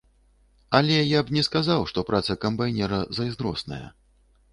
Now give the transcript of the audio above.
Але я б не сказаў, што праца камбайнера зайздросная.